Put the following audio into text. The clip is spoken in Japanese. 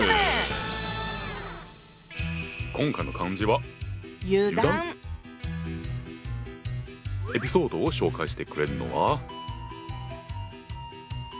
今回の漢字はエピソードを紹介してくれるのは。